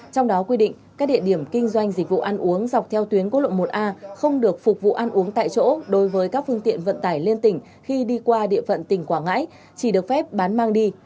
trong đó quy định các địa điểm kinh doanh dịch vụ ăn uống dọc theo tuyến quốc lộ một a không được phục vụ ăn uống tại chỗ đối với các phương tiện vận tải liên tỉnh khi đi qua địa phận tỉnh quảng ngãi chỉ được phép bán mang đi